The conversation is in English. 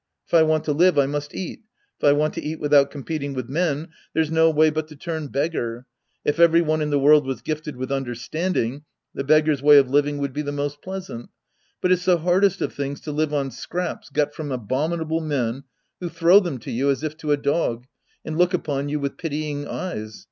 If I want to live, I must eat. If I want to eat without comf)eting v/ith men, there's no way but to turn beggar. If every one in the world was gifted with understanding, the beggar's way of living would be the most pleasant. But it's the hardest of things to live on scraps got from abominable men who throw them to you as if to a dog and look upon you with pitying eyes.